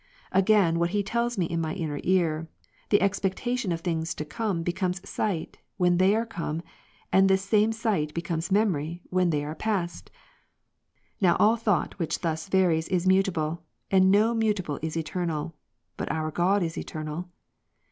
Again, what He tells me in my inner ear, the expectation of things to come becomes sight, when they are come, and this same sight becomes memory, when they be past. Now all thought which thus varies is mutable ; and no mutable is eternal : but our God is eternal."